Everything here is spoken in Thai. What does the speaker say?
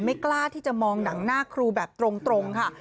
กล้าที่จะมองหนังหน้าครูแบบตรงค่ะ